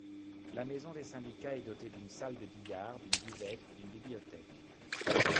La maison des syndicats est dotée d'une salle de billards, d'une buvette, d'une bibliothèque...